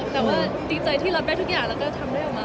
ก็สินใจที่เราไปทุกอย่างและทำได้ผมคิดว่า